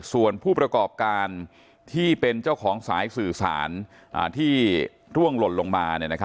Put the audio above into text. ส่วนผู้ประกอบการที่เป็นเจ้าของสายสื่อสารที่ร่วงหล่นลงมา